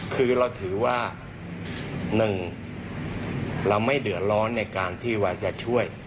คือเราถือว่าหนึ่งเราไม่เดือดร้อนในการที่ว่าจะช่วย